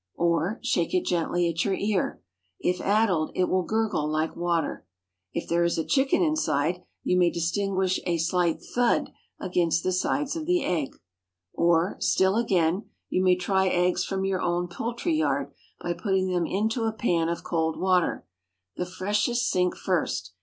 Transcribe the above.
Or, shake it gently at your ear. If addled, it will gurgle like water; if there is a chicken inside, you may distinguish a slight "thud" against the sides of the egg. Or, still again, you may try eggs from your own poultry yard by putting them into a pan of cold water. The freshest sink first.